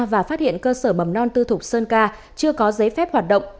và phát hiện cơ sở mầm non tư thục sơn ca chưa có giấy phép hoạt động